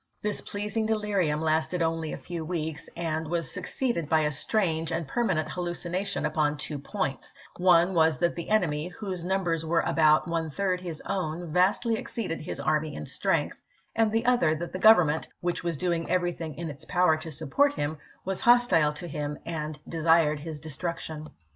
This pleasing delirium lasted only a few weeks, and was succeeded by a strange and per manent hallucination upon two points : one was that the enemy, whose numbers were about one third his own, vastly exceeded his army in strength; and the other, that the Government — which was doing everything in its power to support him — was hostile to him and desired his destruction.